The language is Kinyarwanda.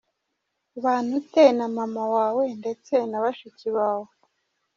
Ubana ute na mama wawe ndetse na bashiki bawe?.